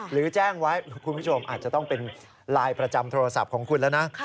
หรือแจ้งไว้คุณผู้ชมอาจจะต้องเป็นไลน์ประจำโทรศัพท์ของคุณแล้วนะ